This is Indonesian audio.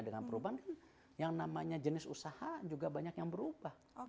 dengan perubahan kan yang namanya jenis usaha juga banyak yang berubah